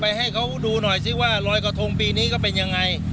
ให้เขาดูหน่อยซิว่ารอยกระทงปีนี้ก็เป็นยังไง